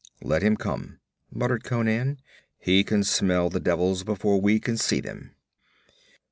'Let him come,' muttered Conan. 'He can smell the devils before we can see them.'